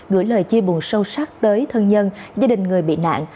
gửi lời chia buồn sâu sắc tới thân nhân gia đình người bị nạn